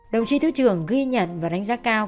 đồng chí thứ trưởng ghi nhận và đánh giá cao